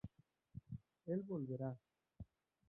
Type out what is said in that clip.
Él volverá.